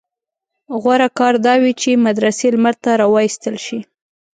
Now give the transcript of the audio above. غوره کار دا وي چې مدرسې لمر ته راوایستل شي.